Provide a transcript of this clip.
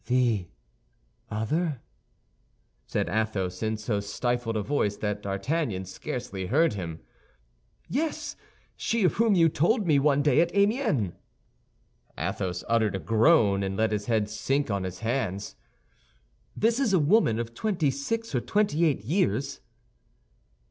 "The other?" said Athos, in so stifled a voice that D'Artagnan scarcely heard him. "Yes, she of whom you told me one day at Amiens." Athos uttered a groan, and let his head sink on his hands. "This is a woman of twenty six or twenty eight years."